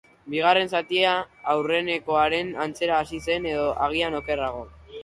Bigarren zatia aurrenekoaren antzera hasi zen, edo agian okerrago.